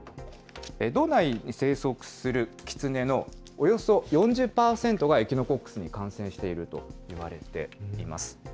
道内に生息するキツネのおよそ４０％がエキノコックスに感染しているといわれています。